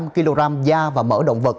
chín trăm linh kg da và mỡ động vật